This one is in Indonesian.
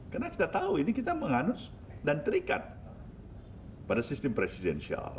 karena kita tahu ini kita menganut dan terikat pada sistem presidensial